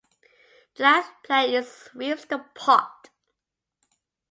The last player in sweeps the pot.